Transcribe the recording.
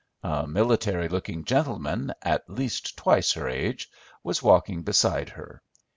A military looking gentleman, at least twice her age, was walking beside her.